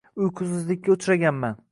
Uyqusizlikka uchraganman.